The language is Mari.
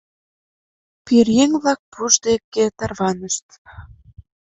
Пӧръеҥ-влак пуш деке тарванышт.